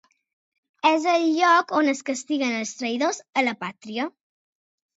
És el lloc on es castiguen els traïdors a la pàtria.